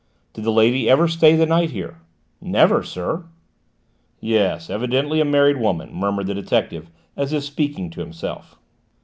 "Did the lady ever stay the night here?" "Never, sir." "Yes: evidently a married woman," murmured the detective as if speaking to himself.